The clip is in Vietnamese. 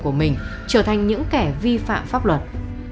của mình trở thành những kẻ vi phạm pháp luật